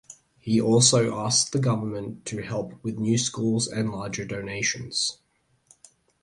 He also asked the government to help with new schools and larger donations.